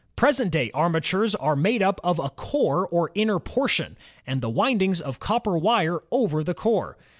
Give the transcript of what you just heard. Present day armatures are made up of a core or inner portion, and the windings of copper wire over the core.